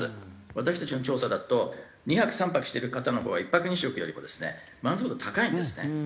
私たちの調査だと２泊３泊してる方のほうが１泊２食よりもですね満足度高いんですね。